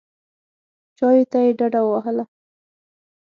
چایو ته یې ډډه ووهله.